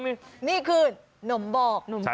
นี่คือนมบ๊อก